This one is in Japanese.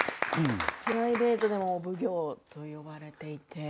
プライベートでもお奉行と呼ばれていて。